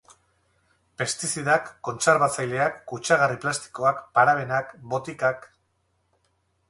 Pestizidak, kontserbatzaileak, kutsagarri plastikoak, parabenak, botikak...